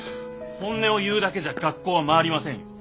本音を言うだけじゃ学校は回りませんよ。